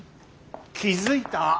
気付いた？